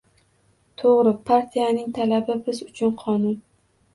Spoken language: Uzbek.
— To‘g‘ri, partiyaning talabi biz uchun qonun!